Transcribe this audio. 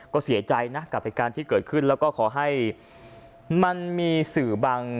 ก็เสียใจนะกับเหตุการณ์ที่เกิดขึ้นแล้วก็ขอให้มันมีสื่อบาง